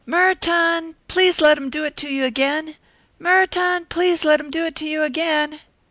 "Mer tun, please let him do it to you again." "Mer tun, please let him do it to you again."